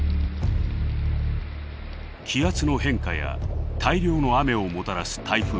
「気圧の変化」や「大量の雨」をもたらす台風。